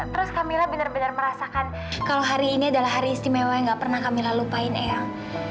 terus kamila benar benar merasakan kalau hari ini adalah hari istimewa yang gak pernah kamilah lupain eyang